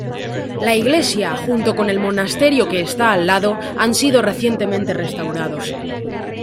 La iglesia, junto con el monasterio que está al lado, han sido recientemente restaurados.